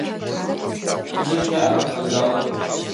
Тыдэ щыӏа актовэ залыр?